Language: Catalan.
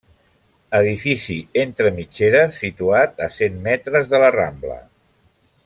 Edifici entre mitgeres situat a cent metres de la Rambla.